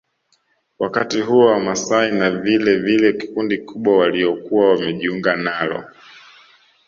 Wakati huo Wamasai na vilevile kundi kubwa la waliokuwa wamejiunga nalo